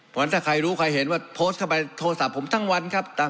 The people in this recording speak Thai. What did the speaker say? เพราะฉะนั้นถ้าใครรู้ใครเห็นว่าโพสต์เข้าไปโทรศัพท์ผมทั้งวันครับ